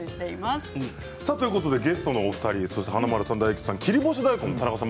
ゲストのお二人華丸さん、大吉さん、田中さん